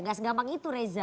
gak segampang itu reza